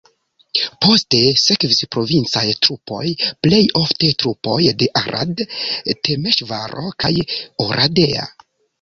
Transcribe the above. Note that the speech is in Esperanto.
Poste sekvis provincaj trupoj plej ofte trupoj de Arad, Temeŝvaro kaj Oradea.